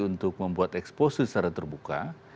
untuk membuat eksposisi secara terbuka